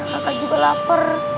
kakak juga lapar